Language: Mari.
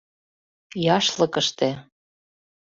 Яшлыкыште.